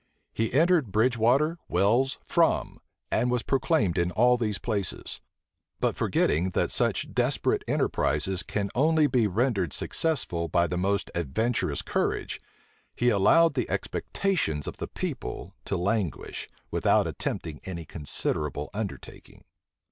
He entered Bridgewater, Wells, Frome; and was proclaimed in all these places: but forgetting, that such desperate enterprises can only be rendered successful by the most adventurous courage, he allowed the expectations of the people to languish, without attempting any considerable undertaking.